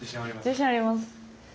自信あります。